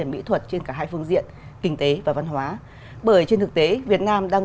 công nghiệp văn hóa trên cả hai phương diện kinh tế và văn hóa bởi trên thực tế việt nam đang